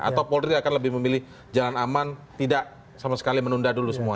atau polri akan lebih memilih jalan aman tidak sama sekali menunda dulu semua